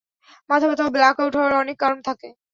মাথাব্যথা ও ব্ল্যাকআউট হওয়ার অনেক কারণ থাকে।